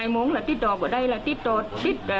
มาหาค่ะ